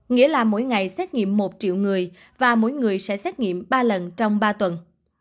nghĩa là mỗi ngày xét nghiệm một triệu người và mỗi người sẽ xét nghiệm ba lần trong ba tuần